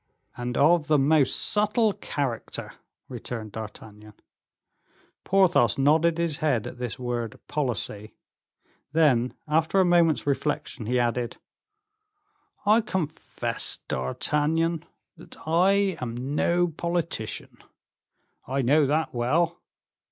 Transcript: "And of the most subtle character," returned D'Artagnan. Porthos nodded his head at this word policy; then, after a moment's reflection, he added, "I confess, D'Artagnan, that I am no politician." "I know that well."